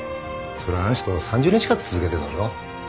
それをあの人３０年近く続けてんだぞ。